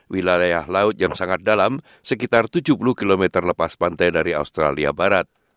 wilayah laut yang sangat dalam sekitar tujuh puluh km lepas pantai dari australia barat